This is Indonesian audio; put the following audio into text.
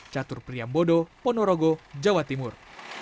catur priyambodo ponorogo jawa timur